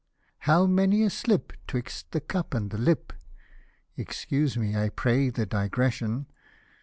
" How many a slip, 'twixt the cup and the lip !" (Excuse me, I pray, the digression.)